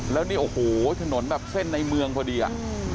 แล้วนี่โอ้โหถนนแบบเส้นในเมืองพอดีอ่ะ